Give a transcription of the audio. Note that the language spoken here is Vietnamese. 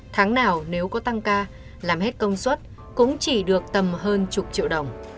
tháng nào nếu có tăng ca làm hết công suất cũng chỉ được tầm hơn chục triệu đồng